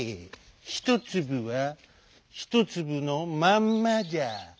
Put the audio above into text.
ひとつぶはひとつぶのまんまじゃ」。